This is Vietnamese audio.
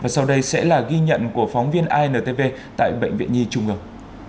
sau đây sẽ là ghi nhận của phóng viên intv tại bệnh viện nhi trung ương